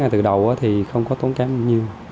từ đầu thì không có tốn kém nhiều